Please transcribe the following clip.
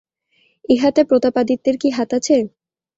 ইহাতে প্রতাপাদিত্যের কি হাত আছে!